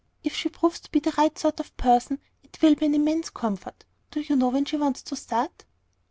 If she proves to be the right sort of person, it will be an immense comfort. Do you know when she wants to start?"